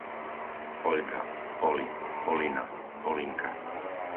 Oľga, Oli, Olina, Olinka